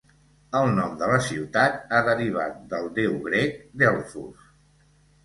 El nom de la ciutat ha derivat del déu grec Delfos.